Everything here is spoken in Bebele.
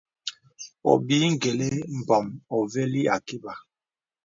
Obìì gə̀lì mbɔ̄m uvəlì àkibà.